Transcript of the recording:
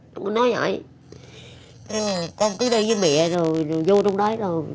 con nói vậy con cứ đi với mẹ rồi rồi vô trong đấy rồi